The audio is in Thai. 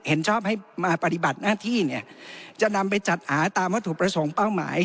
เห็นชอบให้มาปฏิบัติหน้าที่เนี่ยจะนำไปจัดหาตามวัตถุประสงค์เป้าหมาย